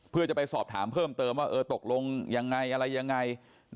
เพื่อจะไปสอบถามเพิ่มเติมว่าเออตกลงยังไงอะไรยังไง